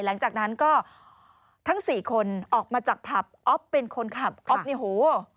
หลังจากนั้นก็ทั้งสี่คนออกมาจากผับอ๊อฟเป็นคนขับอ๊อฟเนี่ยโห